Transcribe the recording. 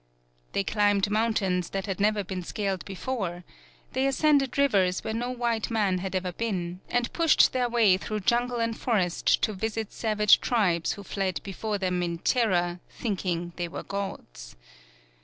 They climbed mountains that had never been scaled before; they ascended rivers where no white man had ever been, and pushed their way through jungle and forest to visit savage tribes who fled before them in terror thinking they were gods.